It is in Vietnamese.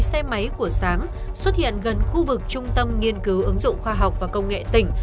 xe máy của sáng xuất hiện gần khu vực trung tâm nghiên cứu ứng dụng khoa học và công nghệ tỉnh